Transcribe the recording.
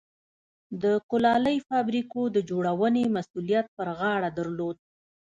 د کولالۍ فابریکو د جوړونې مسوولیت پر غاړه درلود.